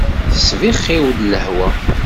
Tesbixxiw-d lehwa.